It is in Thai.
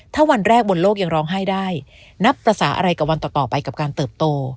ถ้าวันแรกบนโลกยังร้องไห้ได้นับภาษาอะไรกับวันต่อไปกับการเติบโต